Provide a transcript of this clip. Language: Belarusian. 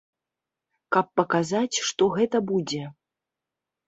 Каб паказаць, што гэта будзе.